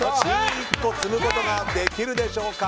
１１個積むことができるでしょうか。